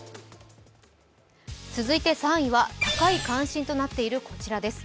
続いて３位は、高い関心となっているこちらです。